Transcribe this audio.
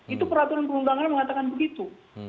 itu peraturan perundang undangan mengatakan begitu